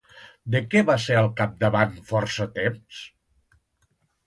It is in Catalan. De què va ser al capdavant força temps?